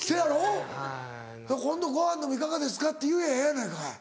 「今度ごはんでもいかがですか」って言やぁええやないかい。